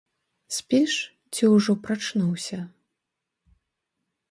Спіш ці ўжо прачнуўся?